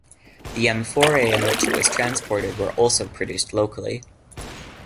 The amphorae in which it was transported were also produced locally.